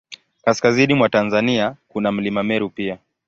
Kaskazini mwa Tanzania, kuna Mlima Meru pia.